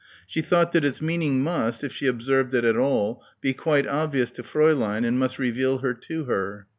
She thought that its meaning must, if she observed it at all, be quite obvious to Fräulein and must reveal her to her.